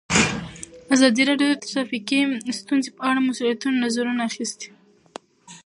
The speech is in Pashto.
ازادي راډیو د ټرافیکي ستونزې په اړه د مسؤلینو نظرونه اخیستي.